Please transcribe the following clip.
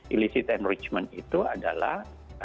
illicit enrichment itu adalah